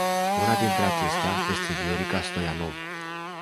Una dintre acestea este Viorica Stoianov.